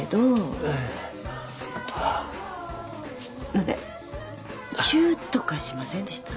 何かチューとかしませんでした？